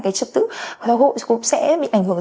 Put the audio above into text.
cái trực tự của tòa hội cũng sẽ bị ảnh hưởng